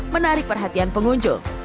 menarik perhatian pengunjung